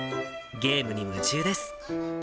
ゲームに夢中です。